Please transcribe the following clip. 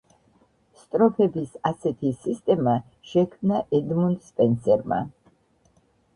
სტროფების ასეთი სისტემა შექმნა ედმუნდ სპენსერმა.